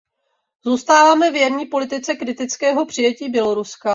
Zůstáváme věrní politice kritického přijetí Běloruska.